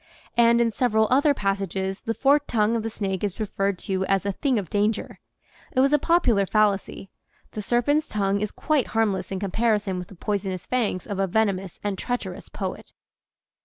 And in several other passages the forked tongue of the snake is referred to as a thing of danger. It was a popular fallacy. The serpent's tongue is quite harmless in comparison with the poisonous fangs of a venomous and treacherous poet.